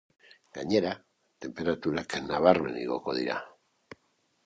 Gainera, tenperaturak nabarmen igoko dira.